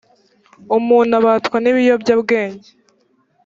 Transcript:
umuntu abatwa n’ibiyobyabwenge